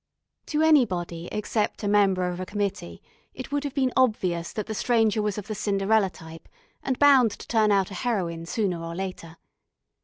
To anybody except a member of a committee it would have been obvious that the Stranger was of the Cinderella type, and bound to turn out a heroine sooner or later.